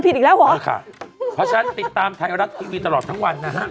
เพราะฉะนั้นติดตามไทยรัฐทีวีตลอดทั้งวันนะฮะ